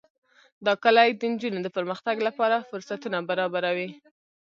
دا کلي د نجونو د پرمختګ لپاره فرصتونه برابروي.